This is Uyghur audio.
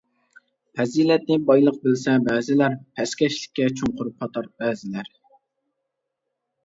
پەزىلەتنى بايلىق بىلسە بەزىلەر، پەسكەشلىككە چوڭقۇر پاتار بەزىلەر.